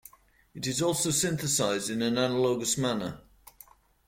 It is also synthesized in an analogous manner.